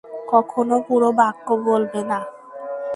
কখনো পুরো বাক্য বলবে না।